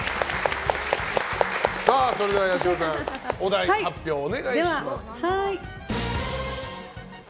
それでは八代さんお題発表お願いします。